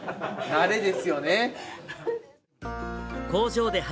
慣れですよね。